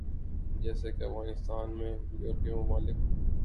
جیسے کے افغانستان میں یورپی ممالک